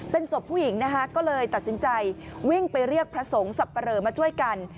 เป็นศพผู้หญิงนะคะก็เลยตัดสินใจวิ่งไปเรียกพระสงฆ์สับปะเหลอมาช่วยกัน